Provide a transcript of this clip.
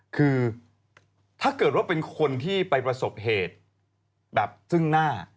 คือถ้าเกิดว่าเป็นคนที่ไปประสบเหตุแบบซึ่งหน้า